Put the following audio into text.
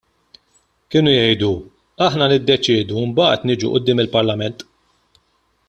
Kienu jgħidu: Aħna niddeċiedu mbagħad niġu quddiem il-Parlament.